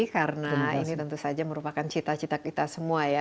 karena ini tentu saja merupakan cita cita kita semua ya